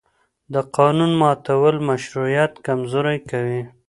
د قانون ماتول مشروعیت کمزوری کوي